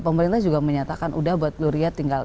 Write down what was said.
pemerintah juga menyatakan udah buat gloria tinggal